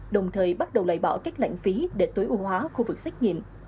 đồng thời bắt đầu loại bỏ các lãng phí để tối ưu hóa khu vực xét nghiệm